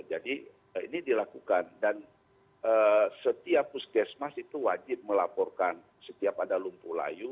jadi ini dilakukan dan setiap puskesmas itu wajib melaporkan setiap ada lumpuh layu